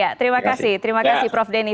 ya terima kasih terima kasih prof denny